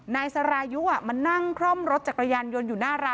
นายสรายุมานั่งคล่อมรถจักรยานยนต์อยู่หน้าร้าน